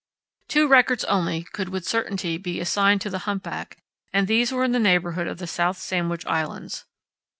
Two records only could with certainty be assigned to the humpback, and these were in the neighbourhood of the South Sandwich Islands.